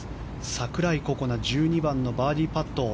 櫻井心那１２番のバーディーパット。